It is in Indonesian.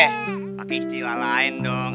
pake istilah lain dong